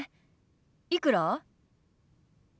いくら？